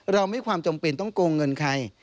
เราไม่ความจำเป็นต้องโกงเงินใคร